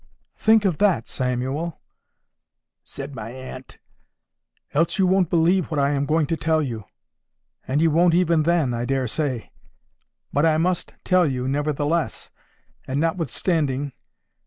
—'Think of that, Samuel,' said my aunt, 'else you won't believe what I am going to tell you. And you won't even then, I dare say. But I must tell you, nevertheless and notwithstanding.